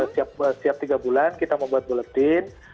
setiap tiga bulan kita membuat buletin